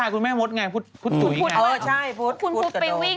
คุณแม่เดี๋ยว